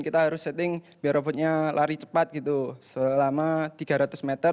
kita harus setting biar robotnya lari cepat gitu selama tiga ratus meter